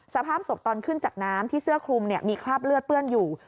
สภาพศพตอนขึ้นจากน้ำที่เสื้อคลุมมีคราบเลือดเปื้อนอยู่